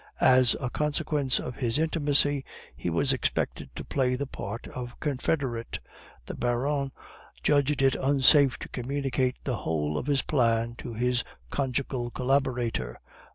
As a consequence of his intimacy, he was expected to play the part of confederate. The Baron judged it unsafe to communicate the whole of his plot to his conjugal collaborator.